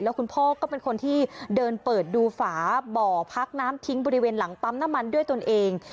คุณพ่อก็เป็นคนที่เดินเปิดดูฝาบ่อพักน้ำทิ้งบริเวณหลังปั๊มน้ำมันด้วยตนเอง